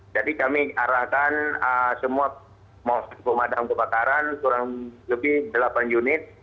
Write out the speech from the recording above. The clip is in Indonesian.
jadi kami arahkan semua pemadaman kepataran kurang lebih delapan unit